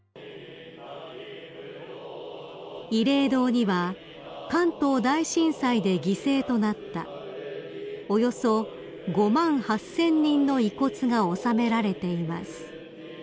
［慰霊堂には関東大震災で犠牲となったおよそ５万８，０００人の遺骨が納められています］